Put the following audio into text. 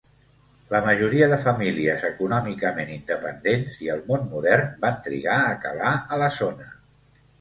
La majoria de famílies econòmicament independents i el món modern va trigar a calar a la zona.